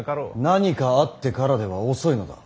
何かあってからでは遅いのだ。